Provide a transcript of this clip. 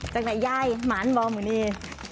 จากหน้าย่ายหมานบ่มูนี